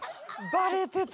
バレてた。